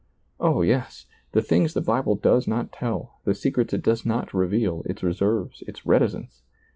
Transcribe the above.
Oh, yes I the things the Bible does not tell, the secrets it does not reveal, its reserves, its reticence!